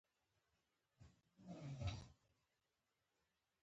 چې اوبۀ به پکښې راشي